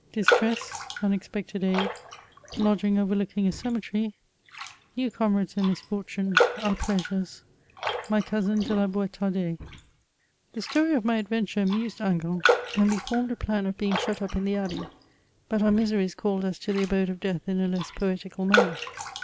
DISTRESS— UNEXPECTED AID— LODGING OVERLOOKING ▲ CEMETERY— NEW COMRADES IN MISFORTUNE— OUR PLEASURES — ^MT COUSIN DE LA BOUETARDAIS, The story of my adventure amused Hingant, and we formed a plan of being shut up in the abbey; but our miseries called us to the abode of death in a less poetical manner.